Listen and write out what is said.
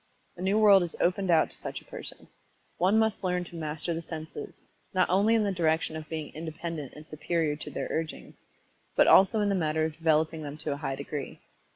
_ A new world is opened out to such a person. One must learn to master the senses, not only in the direction of being independent of and superior to their urgings, but also in the matter of developing them to a high degree.